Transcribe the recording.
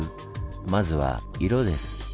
まずは色です。